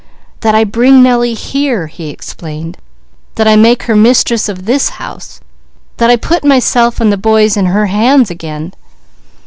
"That I bring Nellie here," he explained. "That I make her mistress of this house. That I put myself and the boys in her hands again."